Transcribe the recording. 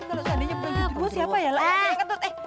kalau seandainya bau genderuwa siapa ya lah